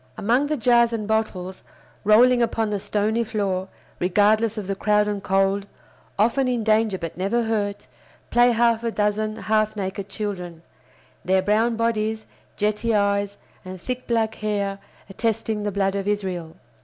Among the jars and bottles, rolling upon the stony floor, regardless of the crowd and cold, often in danger but never hurt, play half a dozen half naked children, their brown bodies, jetty eyes, and thick black hair attesting the blood of Israel.